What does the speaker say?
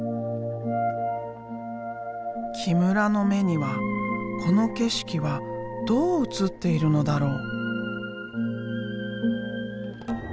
木村の目にはこの景色はどう映っているのだろう？